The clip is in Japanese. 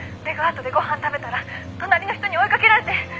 ＶｅｇＯｕｔでご飯食べたら隣の人に追いかけられて」